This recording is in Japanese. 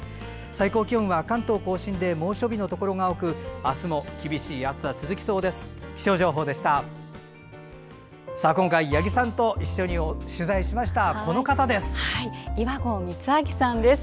最高気温は関東・甲信で猛暑日のところが多くあすも厳しい暑さが続きそうです。